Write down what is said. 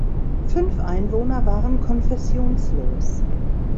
Fünf Einwohner waren konfessionslos.